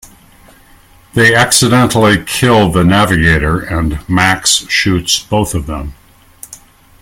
They accidentally kill the Navigator and Max shoots both of them.